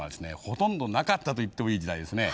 ほとんどなかったと言ってもいい時代ですね。